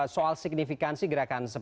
soal signifikansi gerakan